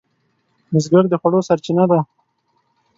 بزګر د خوړو سرچینه ده